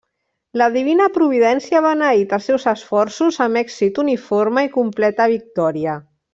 La divina Providència ha beneït els seus esforços amb èxit uniforme i completa victòria.